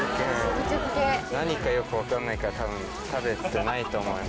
何かよく分かんないから多分食べてないと思います。